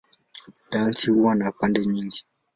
Dansi huwa na pande nyingi.